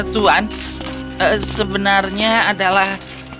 tuan sebenarnya adalah